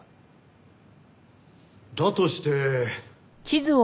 だとして。